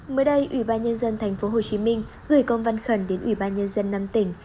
mới đây ủy ban nhân dân tp hcm gửi công văn khẩn đến ủy ban nhân dân năm tỉnh